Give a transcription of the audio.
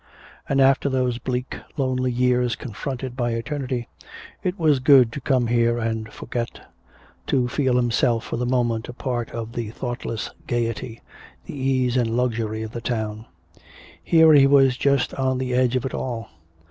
And after those bleak lonely years confronted by eternity, it was good to come here and forget, to feel himself for the moment a part of the thoughtless gaiety, the ease and luxury of the town. Here he was just on the edge of it all.